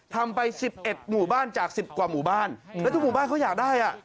ทำไป๑๑หมู่บ้านจากสิบกว่าหมู่บ้านแล้วทุกหมู่บ้านเขาอยากได้อ่ะ